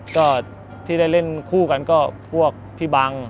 ก็ที่ได้เล่นคู่กันก็พวกพี่บัง